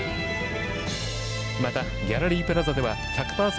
またギャラリープラザでは１００％